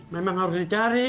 memang harus dicari